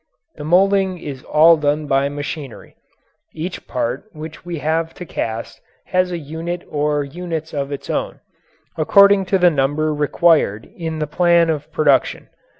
The moulding is all done by machinery. Each part which we have to cast has a unit or units of its own according to the number required in the plan of production.